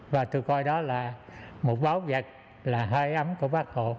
và tôi coi đó là một báu vật là hơi ấm của bác hồ